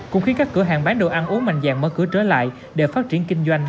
cũng khiến các cửa hàng bán đồ ăn uống mạnh dạng mở cửa trở lại để phát triển kinh doanh